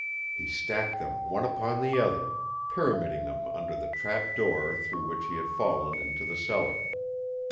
He stacked them one upon the other, pyramiding them under the trap door through which he had fallen into the cellar.